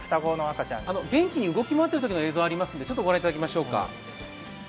元気に動き回ってるときの映像ありますのでご覧いただきましょうか。